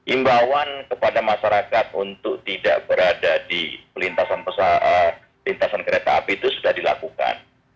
imbauan kepada masyarakat untuk tidak berada di lintasan kereta api itu sudah dilakukan